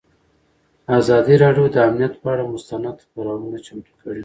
ازادي راډیو د امنیت پر اړه مستند خپرونه چمتو کړې.